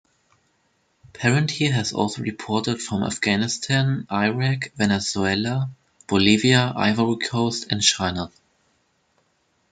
Parenti has also reported from Afghanistan, Iraq, Venezuela, Bolivia, Ivory Coast and China.